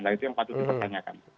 nah itu yang patut dipertanyakan